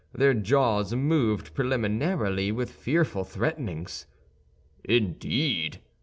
Their jaws moved preliminarily with fearful threatenings. "Indeed!"